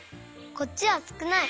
こっちはすくない！